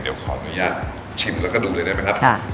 เดี๋ยวขออนุญาตชิมแล้วก็ดูเลยได้ไหมครับ